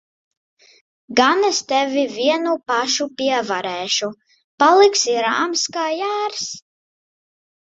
Gan es tevi vienu pašu pievarēšu! Paliksi rāms kā jērs.